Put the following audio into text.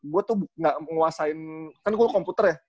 gue tuh gak nguasain kan gue komputer ya